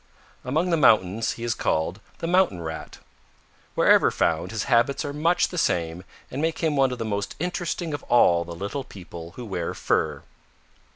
Among the mountains he is called the Mountain Rat. Wherever found, his habits are much the same and make him one of the most interesting of all the little people who wear fur.